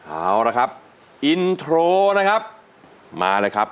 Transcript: เอาละครับอินโทรนะครับมาเลยครับ